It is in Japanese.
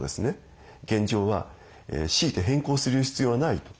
現状は強いて変更する必要はないと。